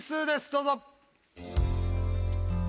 どうぞ。